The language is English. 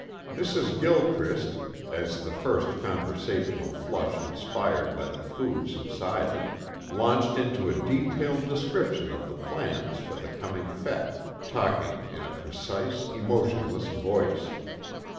Mrs. Gilchrist, as the first conversational flush inspired by the food subsided, launched into a detailed description of the plans for the coming fête, talking in a precise, emotionless voice.